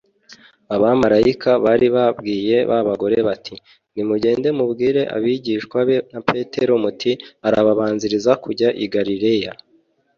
abamarayika bari babwiye ba bagore bati: “nimugende mubwire abigishwa be na petero muti: ‘arababanziriza kujya i galileya,